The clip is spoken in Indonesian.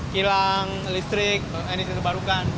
hilang listrik ini terbarukan